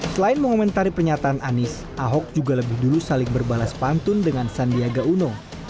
selain mengomentari pernyataan anies ahok juga lebih dulu saling berbalas pantun dengan sandiaga uno